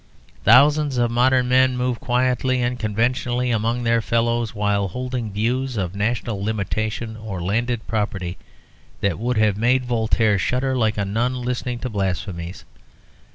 Thousands of modern men move quietly and conventionally among their fellows while holding views of national limitation or landed property that would have made Voltaire shudder like a nun listening to blasphemies.